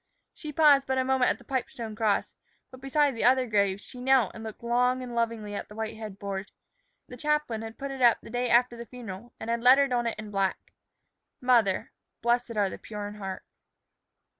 She paused but a moment at the pipestone cross, but beside the other grave she knelt and looked long and lovingly at the white headboard. The chaplain had put it up the day after the funeral, and had lettered on it in black: MOTHER "Blessed are the pure in heart."